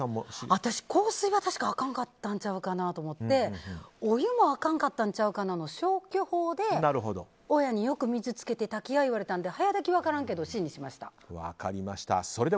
私、硬水は確かあかんかったんちゃうかなと思ってお湯もあかんかったんちゃうかなの消去法で親によく水つけて炊きと言われたのでＣにしました。